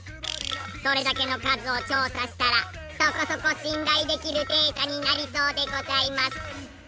それだけの数を調査したらそこそこ信頼できるデータになりそうでございます。